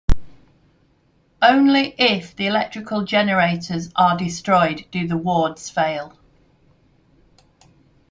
Only if the electrical generators are destroyed do the wards fail.